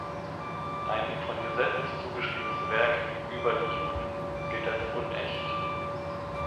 Ein ihm von Josephus zugeschriebenes Werk „Über die Juden“ gilt als unecht.